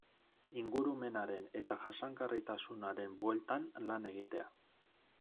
Ingurumenaren eta jasangarritasunaren bueltan lan egitea.